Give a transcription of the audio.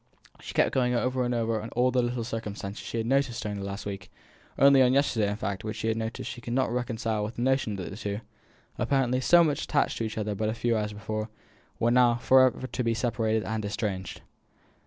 She kept going over and over all the little circumstances she had noticed during the last visit, only on yesterday, in fact, which she could not reconcile with the notion that the two, apparently so much attached to each other but a few hours before, were now to be for ever separated and estranged.